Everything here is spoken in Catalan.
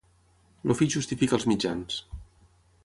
El fi justifica els mitjans.